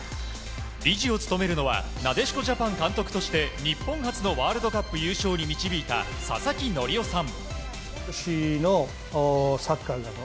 理事を務めるのはなでしこジャパン監督として日本初のワールドカップ優勝に導いた佐々木則夫さん。